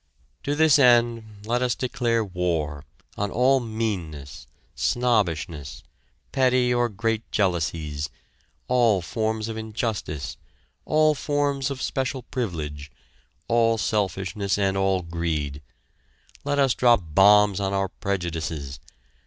To this end let us declare war on all meanness, snobbishness, petty or great jealousies, all forms of injustice, all forms of special privilege, all selfishness and all greed. Let us drop bombs on our prejudices!